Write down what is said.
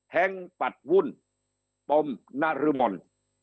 แฮงปัดวุ่นปมนรมนท์